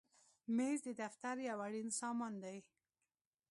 مېز د دفتر یو اړین سامان دی.